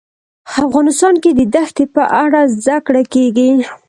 افغانستان کې د دښتې په اړه زده کړه کېږي.